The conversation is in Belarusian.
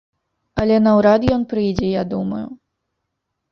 Але наўрад ён прыйдзе, я думаю.